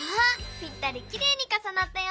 ぴったりきれいにかさなったよ！